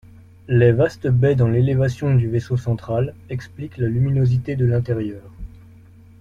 Les vastes baies dans l’élévation du vaisseau central expliquent la luminosité de l’intérieur.